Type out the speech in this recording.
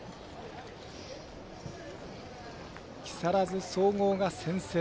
木更津総合が先制。